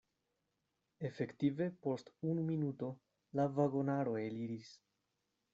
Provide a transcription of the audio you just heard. Efektive post unu minuto la vagonaro eliris.